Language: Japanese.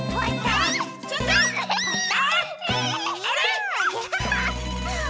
あれ？